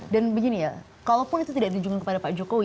dan begini ya kalaupun itu tidak diujungkan kepada pak jokowi